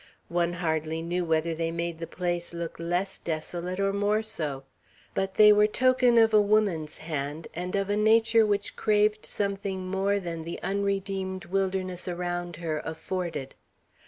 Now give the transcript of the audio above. One hardly knew whether they made the place look less desolate or more so. But they were token of a woman's hand, and of a nature which craved something more than the unredeemed wilderness around her afforded.